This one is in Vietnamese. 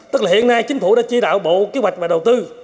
tức là hiện nay chính phủ đã chi đạo bộ kế hoạch và đầu tư